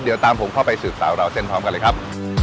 เดี๋ยวตามผมเข้าไปสืบสาวราวเส้นพร้อมกันเลยครับ